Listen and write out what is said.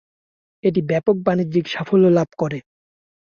এটি ব্যাপক বাণিজ্যিক সাফল্য লাভ করে।